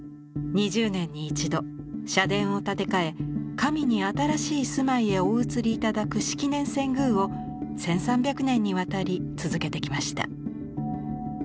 ２０年に一度社殿を建て替え神に新しい住まいへお移りいただく式年遷宮を１，３００年にわたり続けてきました。